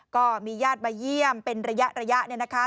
ก็มีญาติมาเยี่ยมเป็นระยะเนี่ยนะคะ